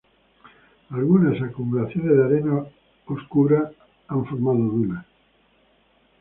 Algunas acumulaciones de arena oscura han formado dunas.